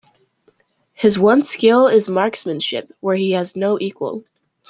His one skill is his marksmanship, where he has no equal.